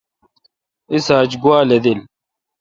اِس آج گوا لدیل۔